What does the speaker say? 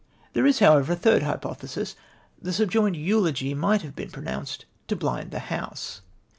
There is, however, a third hypothesis. The subjoined eulogy might have been pronounced to blind the House.